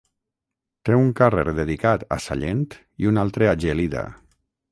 Té un carrer dedicat a Sallent i un altre a Gelida.